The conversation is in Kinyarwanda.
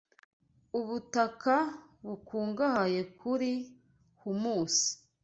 Ubutaka bukungahaye kuri humus.